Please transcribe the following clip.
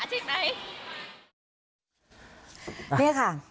ที่นี่ไม่สมควรเป็นสถาบัติการศึกษาจริงไหม